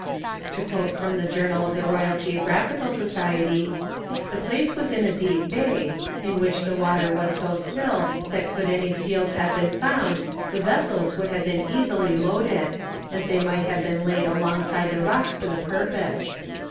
To quote from the journal of the Royal Geographical Society, "The place was in a deep bay, in which the water was so still that could any seals have been found the vessels could have been easily loaded, as they might have been laid alongside the rocks for the purpose.